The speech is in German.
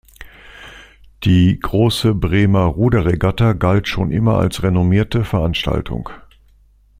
Die Große Bremer Ruderregatta galt schon immer als renommierte Veranstaltung.